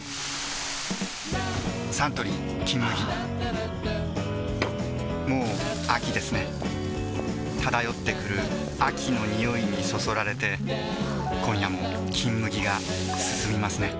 サントリー「金麦」もう秋ですね漂ってくる秋の匂いにそそられて今夜も「金麦」がすすみますね